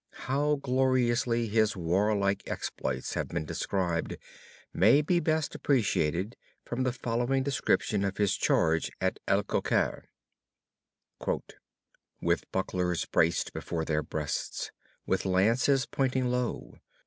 How gloriously his warlike exploits have been described may be best appreciated from the following description of his charge at Alcocer: "With bucklers braced before their breasts, with lances pointing low.